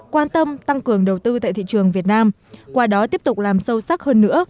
quan tâm tăng cường đầu tư tại thị trường việt nam qua đó tiếp tục làm sâu sắc hơn nữa